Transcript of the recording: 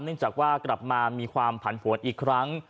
เนื่องจากว่ากลับมามีความผันผลอีกครั้ง